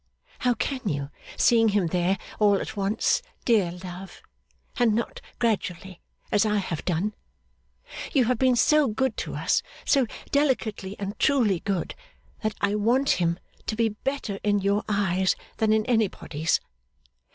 How can you, seeing him there all at once, dear love, and not gradually, as I have done! You have been so good to us, so delicately and truly good, that I want him to be better in your eyes than in anybody's.